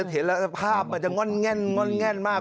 เห็นรัฐภาพมันจะง่อนแง่นมาก